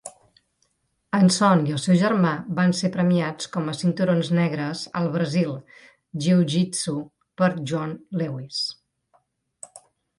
Enson i el seu germà van ser premiats com a cinturons negres al Brasil Jiu-Jitsu per John Lewis.